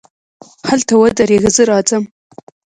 هلته ودرېږه، زه راځم.